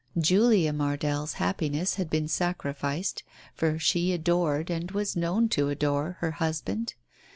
Julia Mardell's happiness had been sacrificed, for she adored, and was known to adore, her husband.